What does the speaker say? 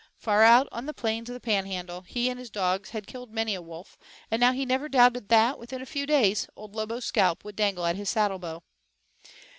Far out on the plains of the Panhandle, he and his dogs had killed many a wolf, and now he never doubted that, within a few days, Old Lobo's scalp would dangle at his saddlebow.